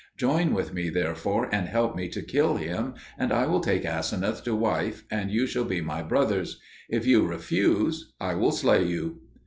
Join with me therefore and help me to kill him, and I will take Aseneth to wife, and you shall be my brothers. If you refuse, I will slay you."